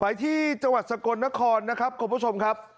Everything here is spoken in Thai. ไปที่จังหวัดสกลนครนะครับคุณผู้ชมครับ